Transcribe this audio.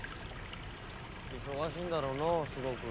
忙しいんだろうなすごく。